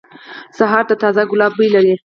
سهار د تازه ګلاب بوی لري.